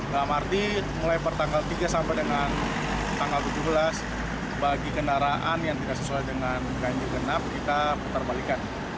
dalam arti mulai pertanggal tiga sampai dengan tanggal tujuh belas bagi kendaraan yang tidak sesuai dengan ganjil genap kita putar balikan